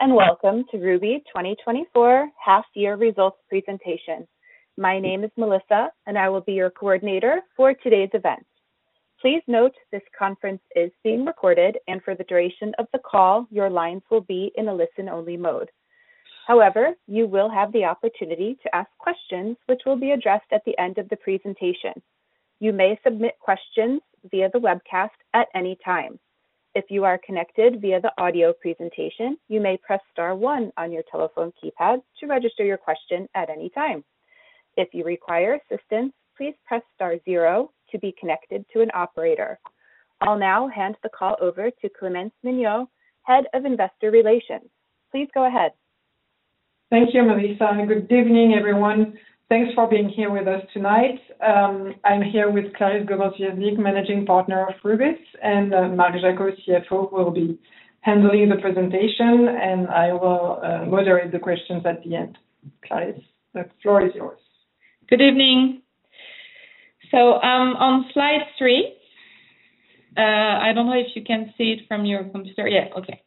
Hello, and welcome to Rubis 2024 half year results presentation. My name is Melissa, and I will be your coordinator for today's event. Please note this conference is being recorded, and for the duration of the call, your lines will be in a listen-only mode. However, you will have the opportunity to ask questions, which will be addressed at the end of the presentation. You may submit questions via the webcast at any time. If you are connected via the audio presentation, you may press star one on your telephone keypad to register your question at any time. If you require assistance, please press star zero to be connected to an operator. I'll now hand the call over to Clémence Mignot, Head of Investor Relations. Please go ahead. Thank you, Melissa, and good evening, everyone. Thanks for being here with us tonight. I'm here with Clarisse Gobin-Swiecznik, Managing Partner of Rubis, and Marc Jacquot, CFO, will be handling the presentation, and I will moderate the questions at the end. Clarisse, the floor is yours. Good evening. So, on slide three, I don't know if you can see it from your computer. Yeah. Okay.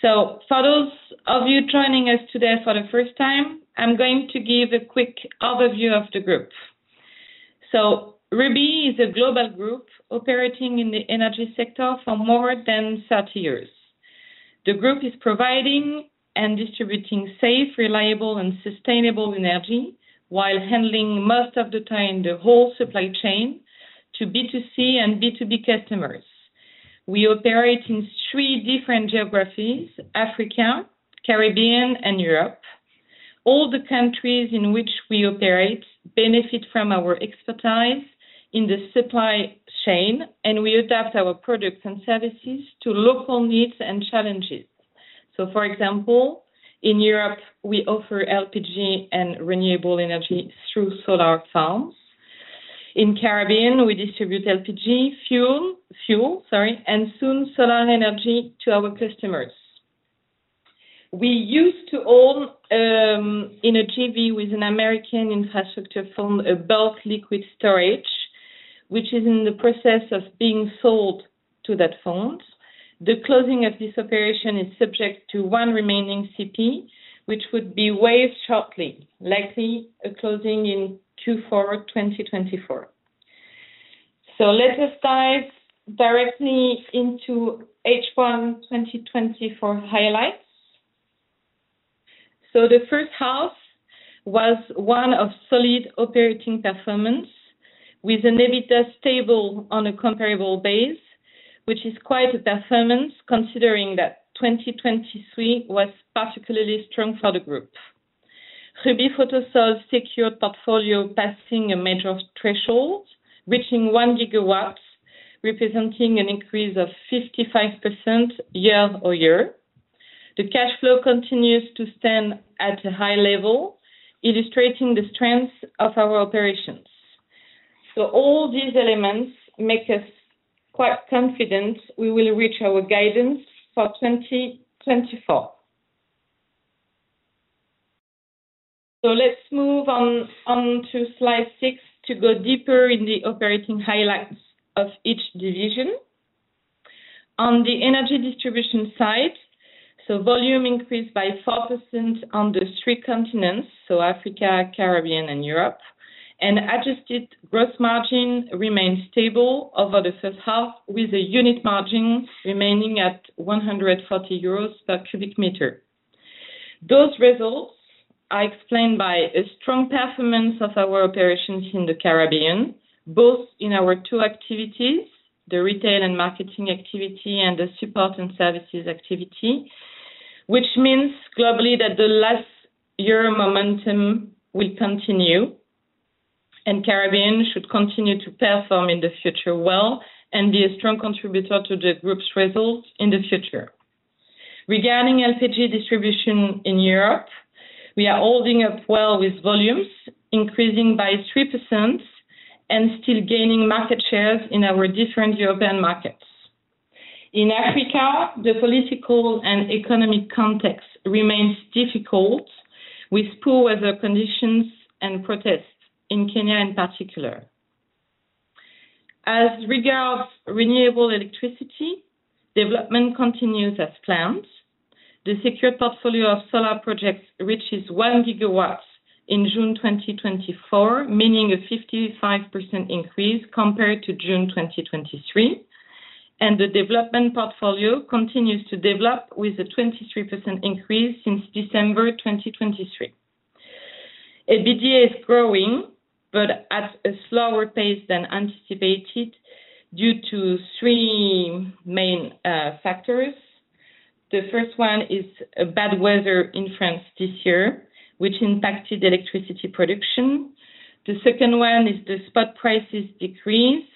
So for those of you joining us today for the first time, I'm going to give a quick overview of the group. So Rubis is a global group operating in the energy sector for more than thirty years. The group is providing and distributing safe, reliable, and sustainable energy, while handling most of the time, the whole supply chain to B2C and B2B customers. We operate in three different geographies: Africa, Caribbean, and Europe. All the countries in which we operate benefit from our expertise in the supply chain, and we adapt our products and services to local needs and challenges. So for example, in Europe, we offer LPG and renewable energy through solar farms. In the Caribbean, we distribute LPG, fuel, sorry, and soon solar energy to our customers. We used to own a JV with an American infrastructure fund, a bulk liquid storage, which is in the process of being sold to that fund. The closing of this operation is subject to one remaining CP, which would be waived shortly, likely a closing in Q4 2024. So let us dive directly into H1 2024 highlights. So the first half was one of solid operating performance, with an EBITDA stable on a comparable base, which is quite a performance, considering that 2023 was particularly strong for the group. Rubis Photosol secured portfolio, passing a major threshold, reaching one gigawatt, representing an increase of 55% year over year. The cash flow continues to stand at a high level, illustrating the strength of our operations. All these elements make us quite confident we will reach our guidance for 2024. Let's move on to slide six to go deeper in the operating highlights of each division. On the energy distribution side, volume increased by 4% on the three continents, Africa, Caribbean, and Europe. Adjusted gross margin remained stable over the first half, with the unit margin remaining at 140 euros per cubic meter. Those results are explained by a strong performance of our operations in the Caribbean, both in our two activities, the retail and marketing activity and the support and services activity. Which means globally, that the last year momentum will continue, and Caribbean should continue to perform in the future well and be a strong contributor to the group's results in the future. Regarding LPG distribution in Europe, we are holding up well, with volumes increasing by 3% and still gaining market shares in our different European markets. In Africa, the political and economic context remains difficult, with poor weather conditions and protests, in Kenya in particular. As regards renewable electricity, development continues as planned. The secure portfolio of solar projects reaches 1 gigawatt in June 2024, meaning a 55% increase compared to June 2023. The development portfolio continues to develop, with a 23% increase since December 2023. EBITDA is growing, but at a slower pace than anticipated due to three main factors. The first one is bad weather in France this year, which impacted electricity production. The second one is the spot prices decrease.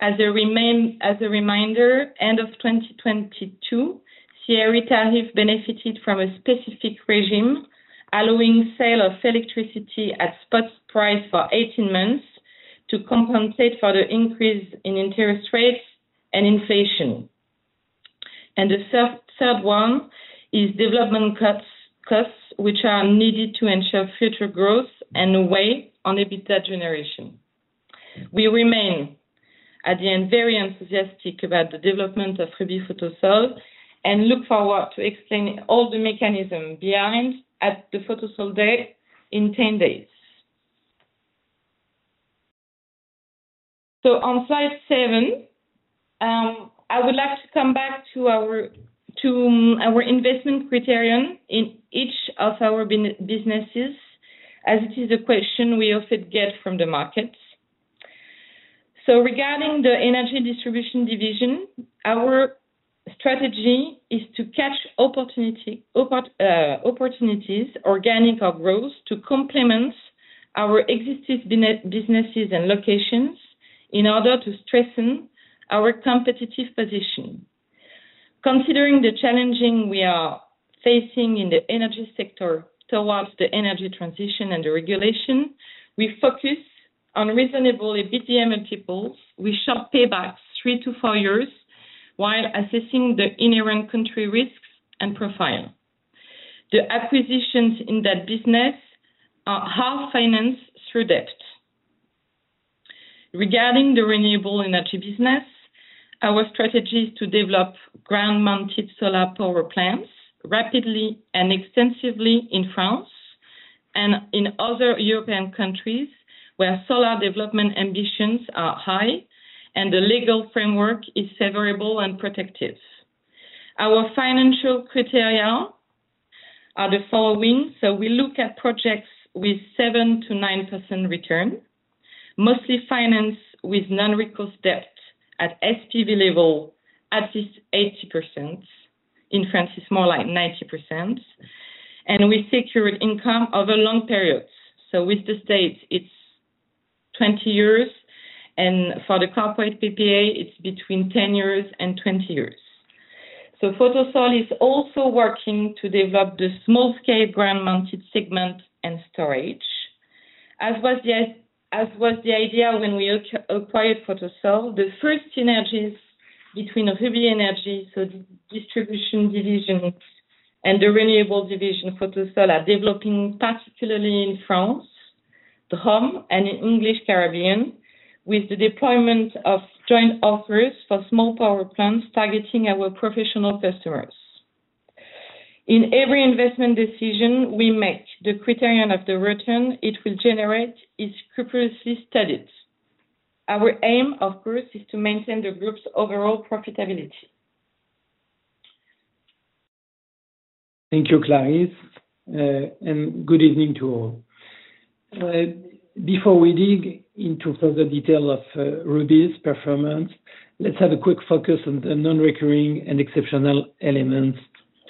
As a reminder, end of 2022, Photosol benefited from a specific regime, allowing sale of electricity at spot price for eighteen months to compensate for the increase in interest rates and inflation. And the third one is development costs, costs which are needed to ensure future growth and weigh on EBITDA generation. We remain at the end very enthusiastic about the development of Rubis Photosol, and look forward to explaining all the mechanism behind at the Photosol Day in 10 days. On slide seven, I would like to come back to our investment criterion in each of our businesses, as it is a question we often get from the market. Regarding the energy distribution division, our strategy is to catch opportunities, organic or growth, to complement our existing businesses and locations in order to strengthen our competitive position. Considering the challenges we are facing in the energy sector towards the energy transition and the regulation, we focus on reasonable EBITDA multiples. We shall pay back in three to four years while assessing the inherent country risks and profile. The acquisitions in that business are half financed through debt. Regarding the renewable energy business, our strategy is to develop ground-mounted solar power plants rapidly and extensively in France and in other European countries, where solar development ambitions are high and the legal framework is favorable and protective. Our financial criteria are the following. We look at projects with 7-9% return, mostly financed with non-recourse debt at SPV level, at least 80%. In France, it's more like 90%, and we secure income over long periods. With the state, it's 20 years, and for the corporate PPA, it's between 10 years and 20 years. Photosol is also working to develop the small-scale ground-mounted segment and storage, as was the idea when we acquired Photosol. The first synergies between Rubis Energy, so the distribution division and the renewable division, Photosol, are developing, particularly in France, the home, and in English Caribbean, with the deployment of joint offers for small power plants targeting our professional customers. In every investment decision we make, the criterion of the return it will generate is scrupulously studied. Our aim, of course, is to maintain the group's overall profitability. Thank you, Clarisse, and good evening to all. Before we dig into further detail of Rubis' performance, let's have a quick focus on the non-recurring and exceptional elements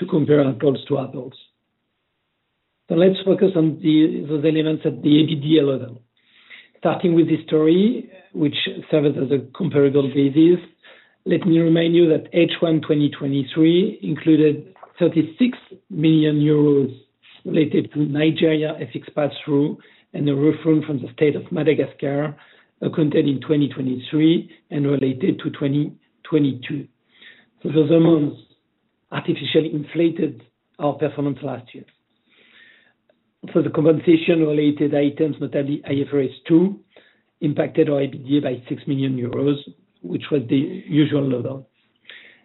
to compare apples to apples. Let's focus on those elements at the EBITDA level. Starting with this story, which serves as a comparable basis, let me remind you that H1 2023 included 36 million euros related to Nigeria FX pass-through and the refund from the state of Madagascar, contained in 2023 and related to 2022. Those amounts artificially inflated our performance last year. For the compensation-related items, notably IFRS 2, impacted our EBITDA by 6 million euros, which was the usual level.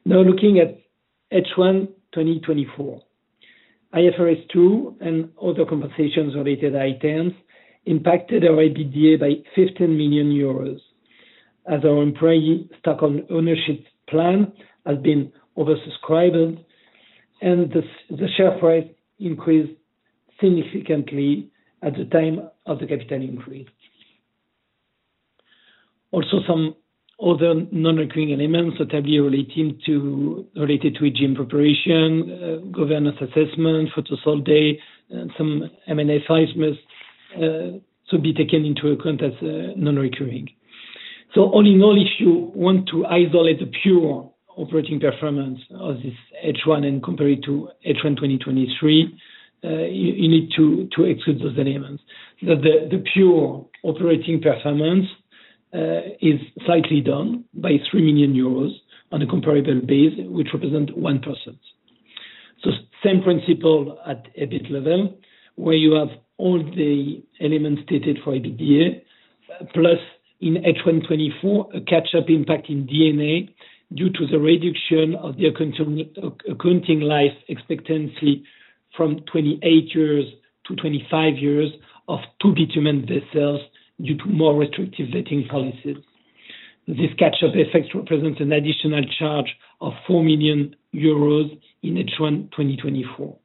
Now, looking at H1 2024, IFRS 2 and other compensations related items impacted our EBITDA by 15 million euros, as our employee stock ownership plan has been oversubscribed, and the share price increased significantly at the time of the capital increase. Also, some other non-recurring elements that are related to AGM preparation, governance assessment, Photosol Day, and some M&A sizes should be taken into account as non-recurring. So all in all, if you want to isolate the pure operating performance of this H1 and compare it to H1 2023, you need to exclude those elements. The pure operating performance is slightly down by 3 million euros on a comparable basis, which represent 1%. Same principle at EBIT level, where you have all the elements stated for EBITDA, plus in H1 2024, a catch-up impact in D&A due to the reduction of the accounting life expectancy from 28 years to 25 years of two bitumen vessels due to more restrictive vetting policies. This catch-up effect represents an additional charge of 4 million euros in H1 2024.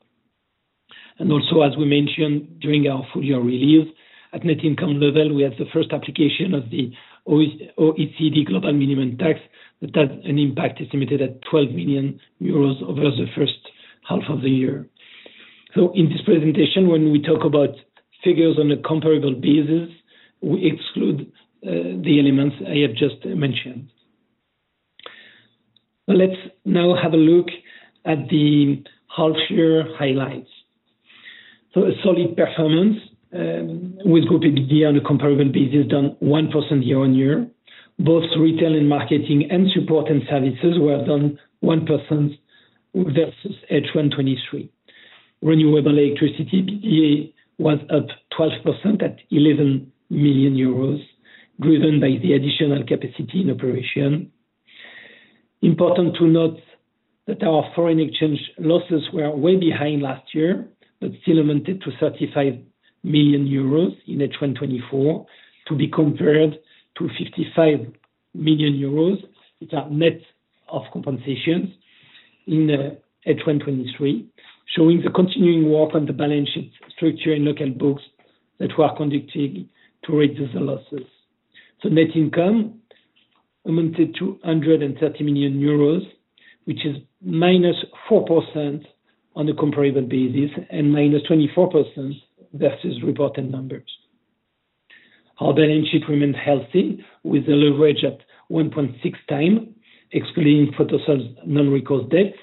Also, as we mentioned during our full year review, at net income level, we have the first application of the OECD Global Minimum Tax. That impact is limited at 12 million euros over the first half of the year. In this presentation, when we talk about figures on a comparable basis, we exclude the elements I have just mentioned. Let's now have a look at the half year highlights. So a solid performance with group EBITDA on a comparable basis, down 1% year-on-year. Both retail and marketing and support and services were down 1% versus H1 2023. Renewable electricity EBITDA was up 12% at 11 million euros, driven by the additional capacity in operation. Important to note that our foreign exchange losses were way behind last year, but still amounted to 35 million euros in 2024, to be compared to 55 million euros. It's a net of compensations in 2023, showing the continuing work on the balance sheet structure and local books that were conducting to reduce the losses. So net income amounted to 130 million euros, which is minus 4% on a comparable basis, and minus 24% versus reported numbers. Our balance sheet remains healthy, with the leverage at one point six times, excluding Photosol non-recourse debts,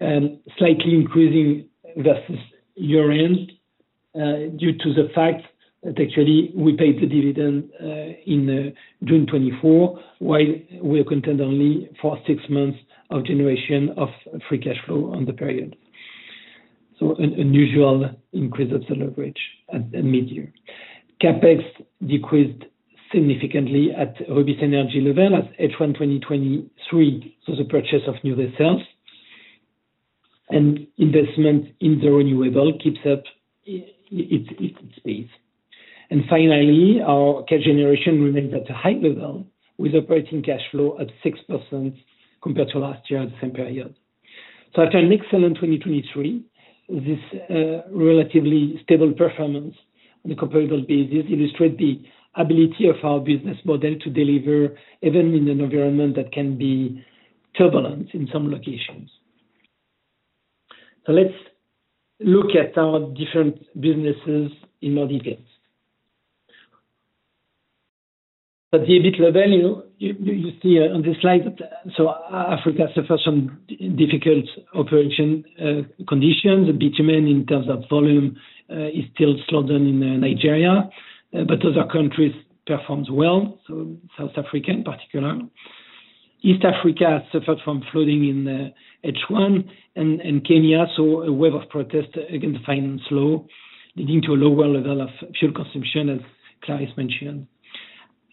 and slightly increasing versus year-end, due to the fact that actually we paid the dividend in June 2024, while we are contained only for six months of generation of free cash flow on the period, so an unusual increase of the leverage at mid-year. CapEx decreased significantly at Rubis Energy level at H1 2023, so the purchase of new vessels. And investment in the renewable keeps up its pace. And finally, our cash generation remains at a high level, with operating cash flow at 6% compared to last year at the same period. After an excellent 2023, this relatively stable performance on a comparable basis illustrate the ability of our business model to deliver, even in an environment that can be turbulent in some locations. Let's look at our different businesses in more details. At the EBIT level, you see on this slide that Africa suffers some difficult operational conditions. The bitumen, in terms of volume, is still slower than in Nigeria, but other countries performs well, so South Africa in particular. East Africa suffered from flooding in H1, and Kenya saw a wave of protests against the finance law, leading to a lower level of fuel consumption, as Clarisse mentioned.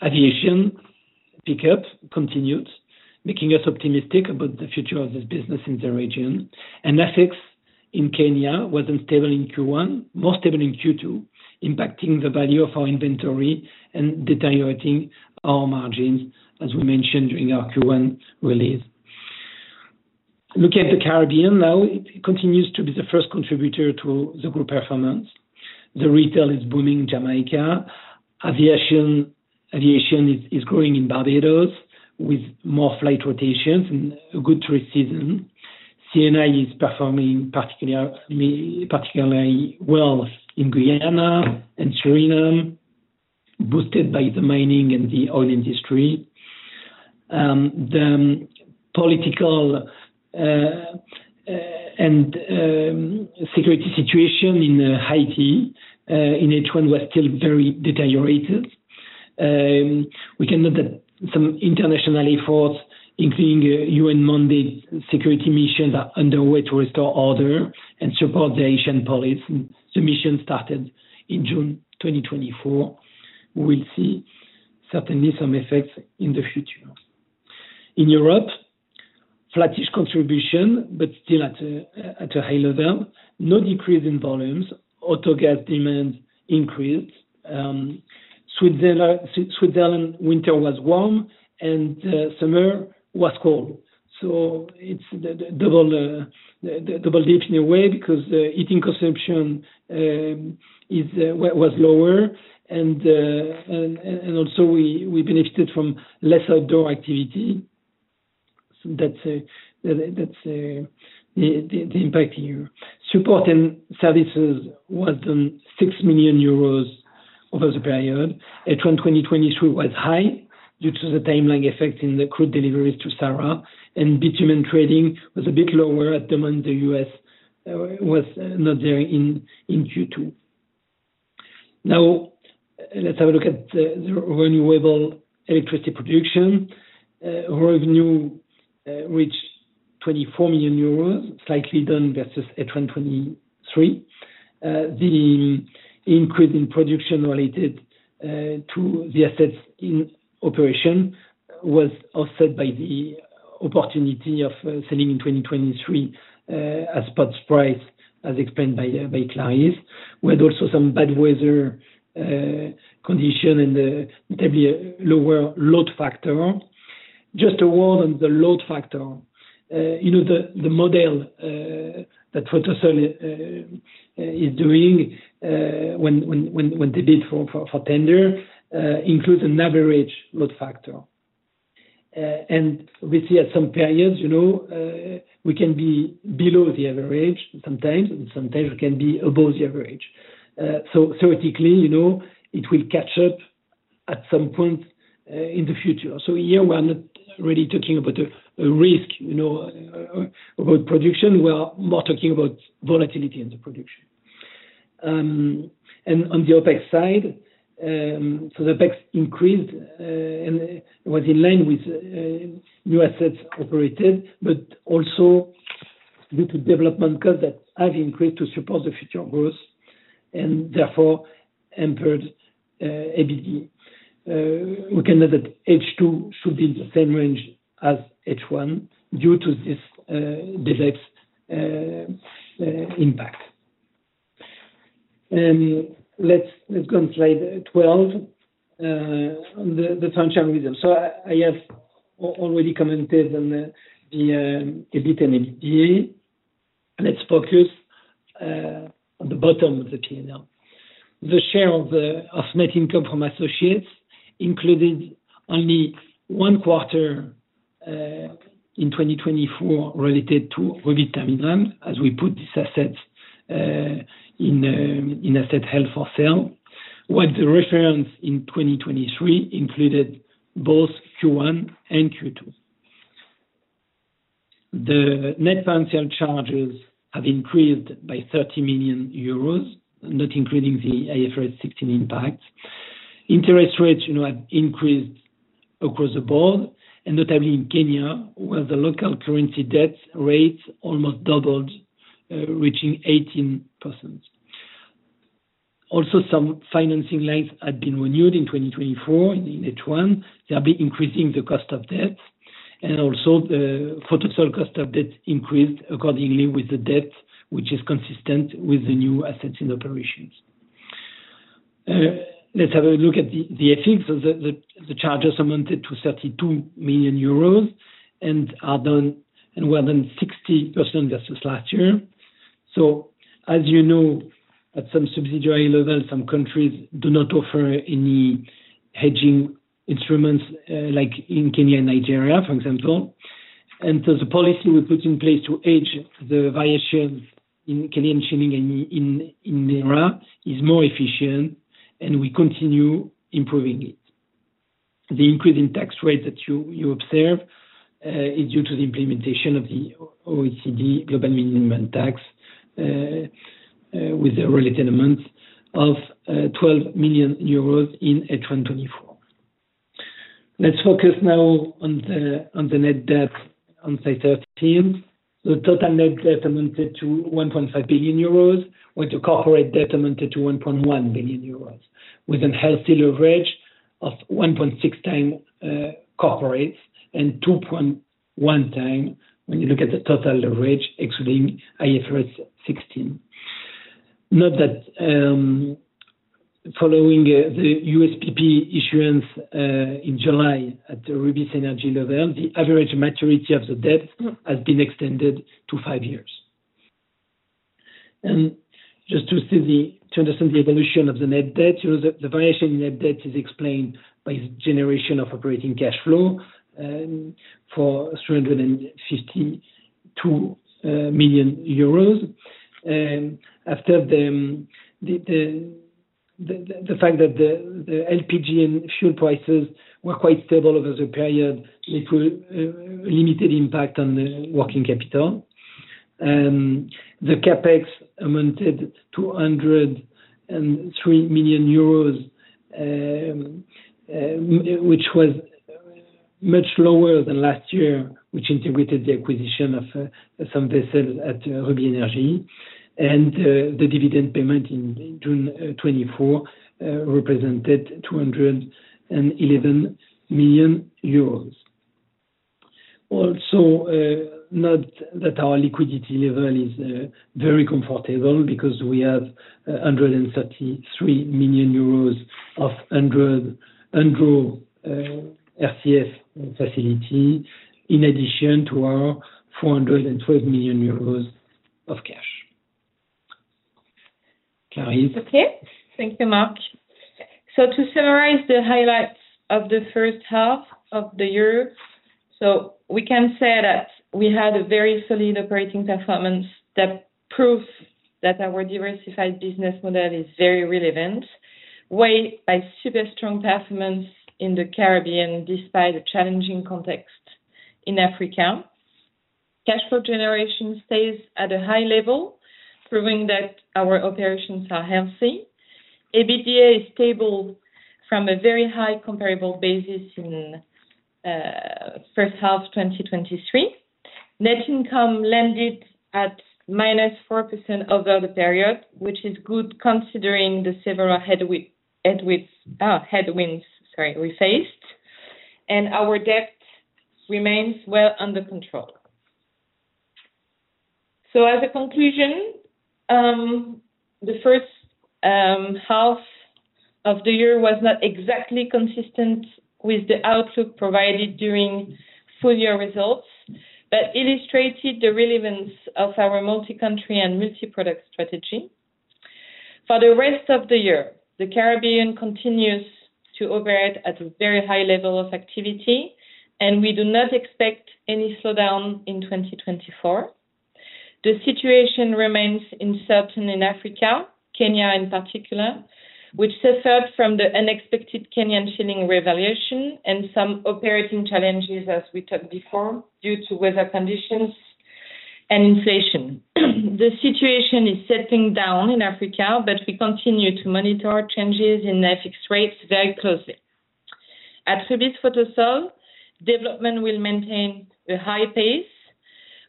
Aviation pickup continued, making us optimistic about the future of this business in the region. FX in Kenya was unstable in Q1, more stable in Q2, impacting the value of our inventory and deteriorating our margins, as we mentioned during our Q1 release. Look at the Caribbean now. It continues to be the first contributor to the group performance. The retail is booming in Jamaica. Aviation is growing in Barbados, with more flight rotations and a good tourist season. C&I is performing particularly well in Guyana and Suriname, boosted by the mining and the oil industry. The political and security situation in Haiti in H1 was still very deteriorated. We can note that some international efforts, including UN-mandated security missions, are underway to restore order and support the Haitian police, and the mission started in June 2024. We'll see certainly some effects in the future. In Europe, flattish contribution, but still at a high level. No decrease in volumes. Autogas demand increased. Switzerland winter was warm, and summer was cold. So it's the double dip in a way, because heating consumption was lower, and also we benefited from less outdoor activity. So that's the impact here. Support and services was 6 million euros over the period. H1 2023 was high due to the timeline effect in the crude deliveries to SARA, and bitumen trading was a bit lower as demand in the US was not there in Q2. Now, let's have a look at the renewable electricity production. Revenue reached 24 million euros, slightly down versus H1 2023. The increase in production related to the assets in operation was offset by the opportunity of selling in 2023 at spot price, as explained by Clarisse. We had also some bad weather condition and maybe a lower load factor. Just a word on the load factor. You know, the model that Photosol is doing when they bid for tender includes an average load factor. We see at some periods, you know, we can be below the average sometimes, and sometimes we can be above the average. Theoretically, you know, it will catch up at some point in the future. Here we are not really talking about a risk, you know, about production. We are more talking about volatility in the production. On the OpEx side, so the OpEx increased and was in line with new assets operated, but also due to development costs that have increased to support the future growth and therefore impaired EBITDA. We can note that H2 should be in the same range as H1 due to this delayed impact. Let's go on slide twelve. On the financial results. I have already commented on the EBIT and EBITDA. Let's focus on the bottom of the P&L. The share of net income from associates included only Q1 in 2024 related to Rubis Terminal, as we put this asset in asset held for sale. While the reference in 2023 included both Q1 and Q2. The net financial charges have increased by 30 million euros, not including the IFRS 16 impact. Interest rates, you know, have increased across the board, and notably in Kenya, where the local currency debt rates almost doubled, reaching 18%. Also, some financing lines have been renewed in 2024, in H1, thereby increasing the cost of debt. The Photosol cost of debt increased accordingly with the debt, which is consistent with the new assets and operations. Let's have a look at the effects of the charges amounted to 32 million euros and are down, and well down 60% versus last year. So as you know, at some subsidiary level, some countries do not offer any hedging instruments, like in Kenya and Nigeria, for example. The policy we put in place to hedge the variation in Kenyan shilling in naira is more efficient, and we continue improving it. The increase in tax rate that you observe is due to the implementation of the OECD Global Minimum Tax with a related amount of EUR 12 million in H1 2024. Let's focus now on the net debt on slide 13. The total net debt amounted to 1.5 billion euros, with the corporate debt amounted to 1.1 billion euros, with a healthy leverage of 1.6 times corporates, and 2.1 times when you look at the total leverage excluding IFRS 16. Note that following the USPP issuance in July at the Rubis Energy level, the average maturity of the debt has been extended to 5 years. To understand the evolution of the net debt, you know, the variation in net debt is explained by the generation of operating cash flow for 352 million euros. After the fact that the LPG and fuel prices were quite stable over the period, it had limited impact on the working capital. The CapEx amounted to 203 million euros, which was much lower than last year, which integrated the acquisition of some vessels at Rubis Energy, and the dividend payment in June 2024 represented EUR 211 million. Also, note that our liquidity level is very comfortable because we have 133 million euros of undrawn RCF facility, in addition to our 412 million euros of cash. Clarisse? Okay. Thank you, Marc, so to summarize the highlights of the first half of the year, we can say that we had a very solid operating performance that proves that our diversified business model is very relevant, weighed by super strong performance in the Caribbean, despite a challenging context in Africa. Cash flow generation stays at a high level, proving that our operations are healthy. EBITDA is stable from a very high comparable basis in first half 2023. Net income landed at minus 4% over the period, which is good, considering the several headwinds, sorry, we faced, and our debt remains well under control, so as a conclusion, the first half of the year was not exactly consistent with the outlook provided during full year results, but illustrated the relevance of our multi-country and multi-product strategy. For the rest of the year, the Caribbean continues to operate at a very high level of activity, and we do not expect any slowdown in 2024. The situation remains uncertain in Africa, Kenya in particular, which suffered from the unexpected Kenyan shilling revaluation and some operating challenges, as we talked before, due to weather conditions and inflation. The situation is settling down in Africa, but we continue to monitor changes in the fixed rates very closely. At Rubis Photosol, development will maintain a high pace,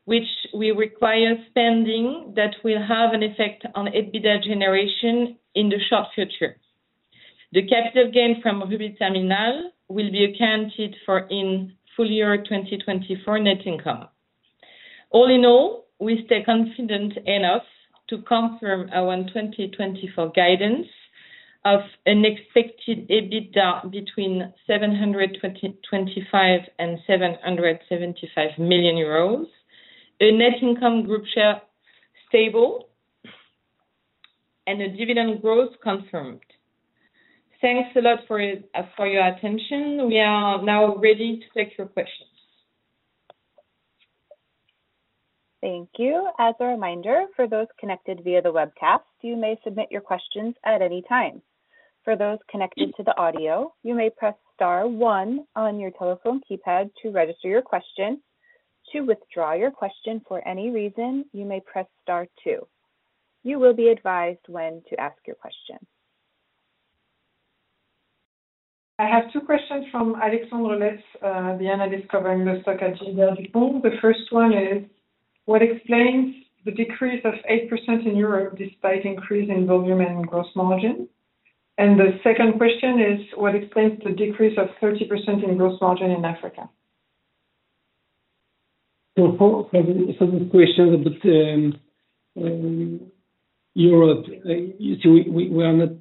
which will require spending that will have an effect on EBITDA generation in the short future. The capital gain from Rubis Terminal will be accounted for in full year 2024 net income. All in all, we stay confident enough to confirm our 2024 guidance of an expected EBITDA between 725 million and 775 million euros, a net income Group share stable, and a dividend growth confirmed. Thanks a lot for your attention. We are now ready to take your questions. Thank you. As a reminder, for those connected via the webcast, you may submit your questions at any time. For those connected to the audio, you may press star one on your telephone keypad to register your question. To withdraw your question for any reason, you may press star two. You will be advised when to ask your question. I have two questions from Alexandre Letz, the analyst covering the stock at JP Morgan. The first one is: What explains the decrease of 8% in Europe, despite increase in volume and gross margin? And the second question is: What explains the decrease of 30% in gross margin in Africa? So for the question about Europe, you see, we are not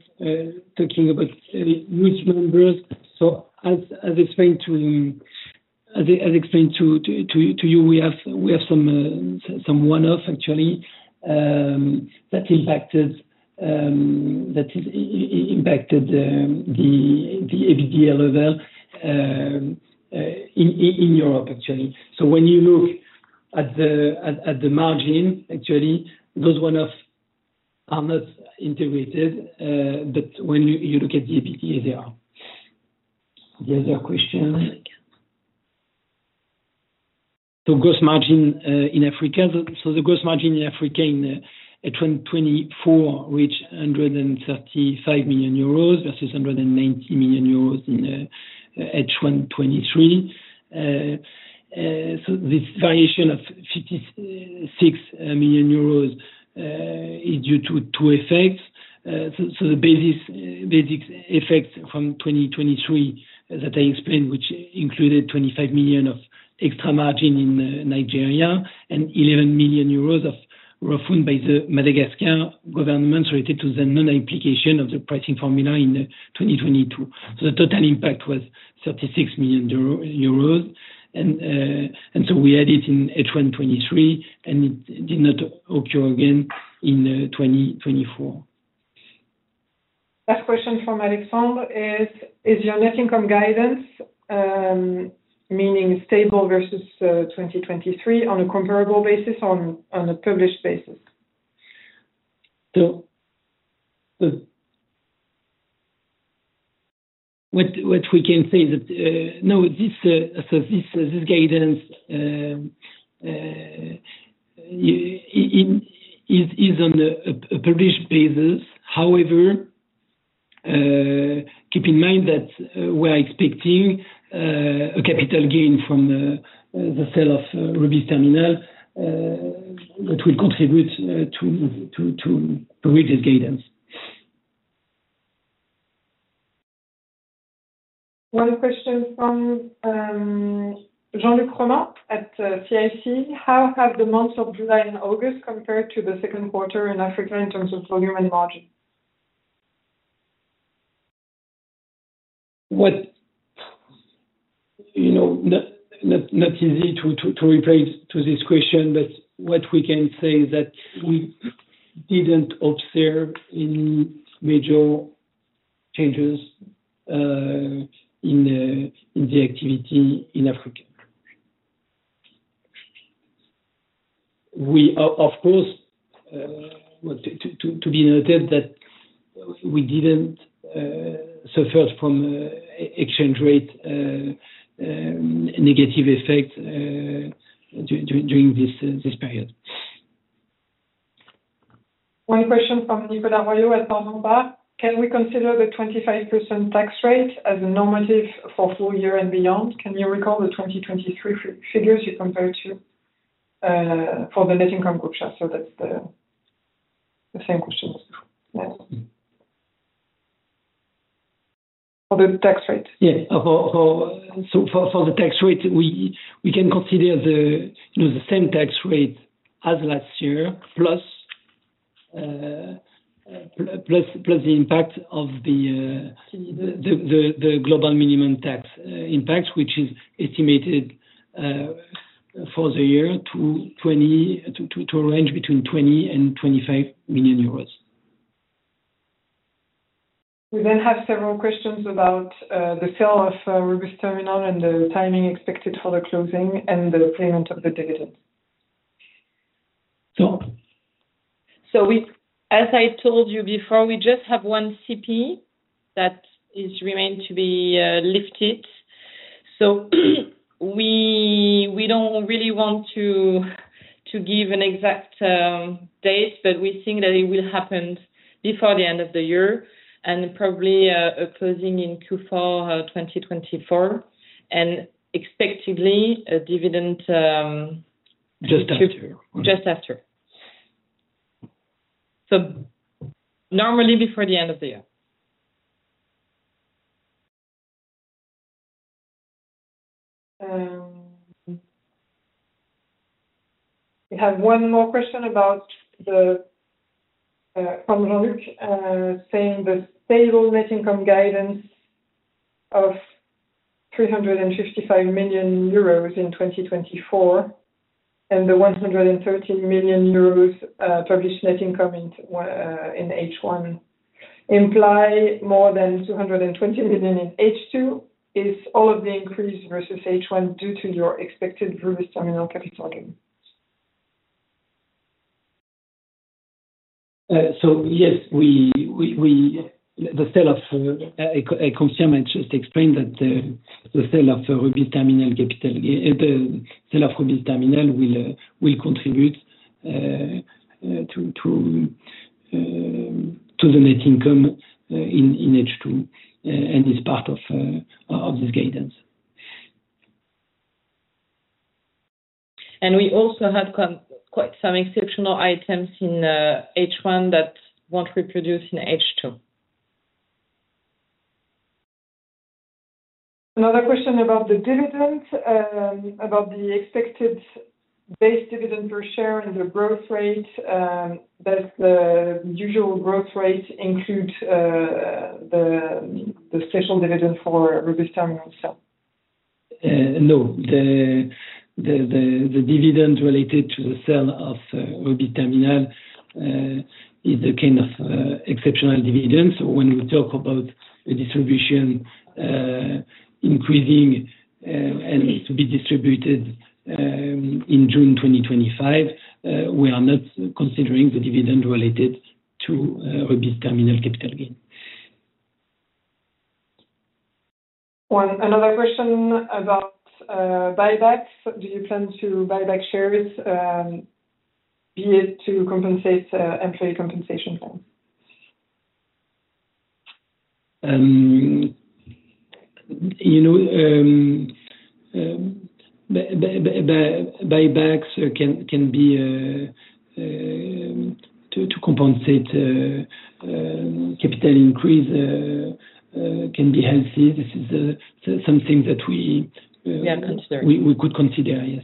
talking about any group members. So as I explained to you, we have some one-off actually that impacted the EBITDA level in Europe, actually. So when you look at the margin, actually, those one-off are not integrated, but when you look at the EBITDA, they are. The other question? The gross margin in Africa. So the gross margin in Africa in 2024 reached 135 million euros, versus 190 million euros in 2023. So this variation of 56 million euros is due to two effects. So the basic effects from 2023, as I explained, which included 25 million of extra margin in Nigeria, and 11 million euros of refund by the Madagascar government related to the non-application of the pricing formula in 2022. So the total impact was 36 million euros, and so we had it in H1 2023, and it did not occur again in 2024. Last question from Alexandre is, is your net income guidance meaning stable versus 2023 on a comparable basis, on a published basis? So, what we can say that this guidance is on a published basis. However, keep in mind that we are expecting a capital gain from the sale of Rubis Terminal that will contribute to reach this guidance. One question from Jean-Luc Romain at CIC: How have the months of July and August compared to the Q2 in Africa in terms of volume and margin? You know, not easy to reply to this question, but what we can say is that we didn't observe any major changes in the activity in Africa. We are, of course, to be noted that we didn't suffered from exchange rate negative effect during this period. One question from Nicolas Royot at Portzamparc: Can we consider the 25% tax rate as normative for full year and beyond? Can you recall the 2023 figures you compared to for the net income group share? So that's the same question. Yes. For the tax rate. Yes. So for the tax rate, we can consider, you know, the same tax rate as last year, plus the impact of the... See-... the Global Minimum Tax impact, which is estimated for the year to a range between 20 million and 25 million euros. We then have several questions about the sale of Rubis Terminal, and the timing expected for the closing, and the payment of the dividend.... So we, as I told you before, we just have one CP that is remained to be lifted. So we don't really want to give an exact date, but we think that it will happen before the end of the year and probably closing in Q4 2024, and expectedly a dividend... Just after. Just after. So normally before the end of the year. We have one more question about the from Luc saying the stable net income guidance of 355 million euros in 2024, and the 113 million euros published net income in H1, imply more than 220 million in H2. Is all of the increase versus H1 due to your expected Rubis Terminal capital gain? So yes, like Clémence just explained, that the sale of Rubis Terminal capital gain. The sale of Rubis Terminal will contribute to the net income in H2 and is part of this guidance. And we also have quite some exceptional items in H1 that won't reproduce in H2. Another question about the dividend. About the expected base dividend per share and the growth rate. Does the usual growth rate include the special dividend for Rubis Terminal itself? No, the dividend related to the sale of Rubis Terminal is a kind of exceptional dividend. So when we talk about the distribution increasing and to be distributed in June 2025, we are not considering the dividend related to Rubis Terminal capital gain. One, another question about buybacks. Do you plan to buy back shares, be it to compensate employee compensation plan? You know, buybacks can be to compensate capital increase, can be healthy. This is something that we We are considering. We could consider, yes.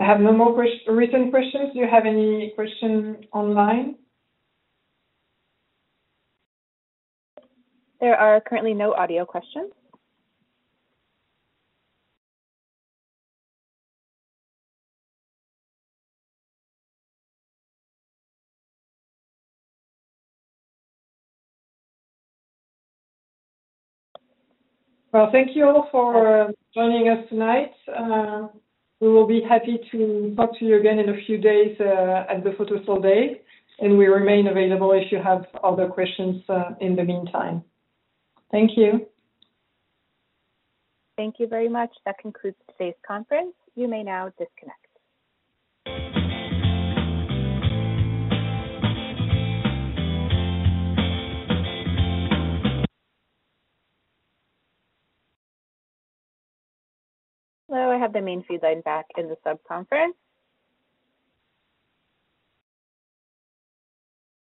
I have no more recent questions. Do you have any question online? There are currently no audio questions. Thank you all for joining us tonight. We will be happy to talk to you again in a few days at the Photosol Day, and we remain available if you have other questions in the meantime. Thank you. Thank you very much. That concludes today's conference. You may now disconnect. Hello, I have the main feed line back in the sub-conference.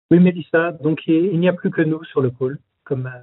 We may decide don't we